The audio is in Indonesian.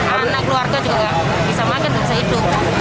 anak keluarga juga tidak bisa makan tidak bisa hidup